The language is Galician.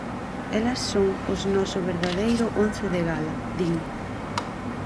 Elas son os noso verdadeiro once de gala, din.